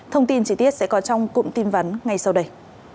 thông tin trí tiết sẽ có trong cụm tin vắn ngay sau đây